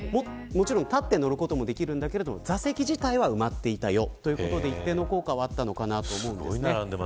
立って乗ることもできるんだけど座席自体は埋まっていたということで一定の効果はあったと思います。